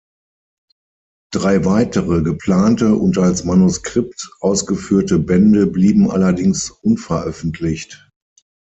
Drei weitere geplante und als Manuskript ausgeführte Bände blieben allerdings unveröffentlicht.